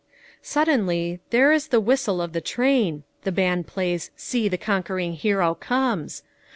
5 * Suddenly there is the whistle of the train, the band plays See, the conquering Hero comes!